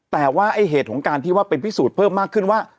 แต่ว่าไอ้เหตุของการที่ว่าเป็นพิสูจน์เพิ่มมากขึ้นว่า